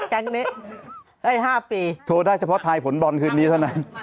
แก๊งนี้ได้๕ปีโทรได้เฉพาะทายผลบอลคืนนี้เท่านั้น